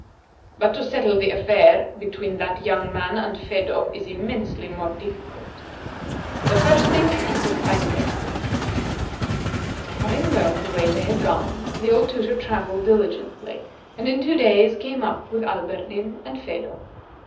But to settle the affair between that young man and Phedo is immensely more difficult. The first thing is to find them." Having learned the way they had gone, the old tutor travelled diligently, and in two days came up with Alberdin and Phedo.